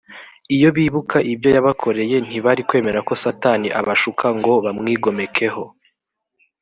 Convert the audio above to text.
iyo bibuka ibyo yabakoreye ntibari kwemera ko satani abashuka ngo bamwigomekeho